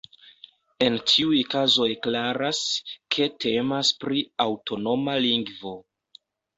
En tiuj kazoj klaras, ke temas pri aŭtonoma lingvo.